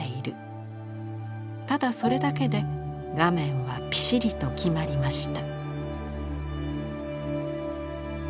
ただそれだけで画面はぴしりときまりました」。